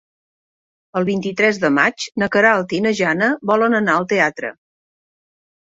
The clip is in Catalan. El vint-i-tres de maig na Queralt i na Jana volen anar al teatre.